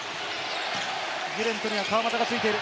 ギレントには川真田がついている。